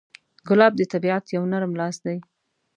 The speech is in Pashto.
ګلاب د طبیعت یو نرم لاس دی.